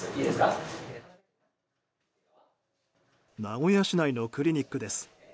名古屋市内のクリニックです。